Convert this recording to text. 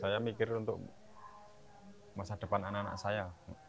saya mikir untuk masa depan anak anak saya